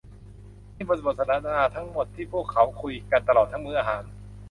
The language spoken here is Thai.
นี่เป็นบทสนทนาทั้งหมดที่พวกเขาคุยกันตลอดทั้งมื้ออาหาร